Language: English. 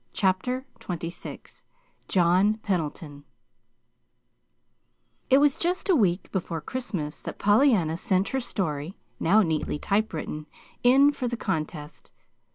CHAPTER XXVI JOHN PENDLETON It was just a week before Christmas that Pollyanna sent her story (now neatly typewritten) in for the contest.